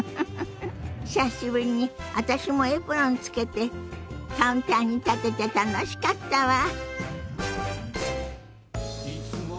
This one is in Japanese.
久しぶりに私もエプロンつけてカウンターに立てて楽しかったわ。